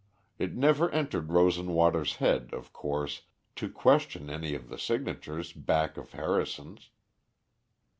It never entered Rosenwater's head, of course, to question any of the signatures back of Harrison's.